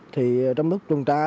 trong bước trùng tra